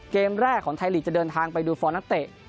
เกมแรกของไทยลีกจะเดินทางไปดูฟอร์มนักเตะ